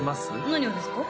何がですか？